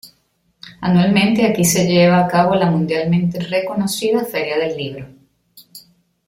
Anualmente aquí se lleva a cabo la mundialmente reconocida feria del libro.